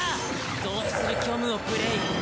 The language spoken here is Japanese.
増殖する虚無をプレイ！